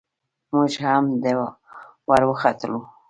موږ هم ور وختلو.